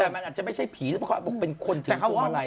แต่มันอาจจะไม่ใช่ผีแต่เขาบอกเป็นคนถึงตรงมาลัย